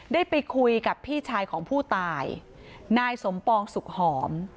ได้ไปคุยกับพี่ชายของผู้ตายนายสมปองสุขหอม